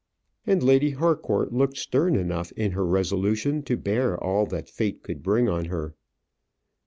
And Lady Harcourt looked stern enough in her resolution to bear all that fate could bring on her.